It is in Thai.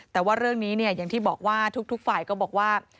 แต่ว่าเรื่องนี้อย่างที่บอกว่าทุกฝ่ายก็บอกว่า